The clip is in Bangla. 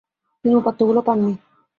তিনি উপাত্তগুলো পান নি।